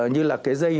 như là cái dây